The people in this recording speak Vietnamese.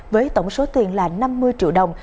với tổng số tiền là năm mươi triệu đồng